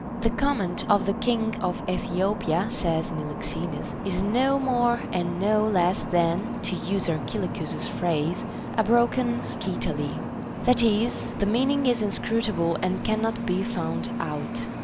The command of the king of Ethiopia, says Niloxenus, is no more and no less than (to use Archilochus's phrase) a broken scytale ; that is, the meaning is inscrutable and cannot be found out.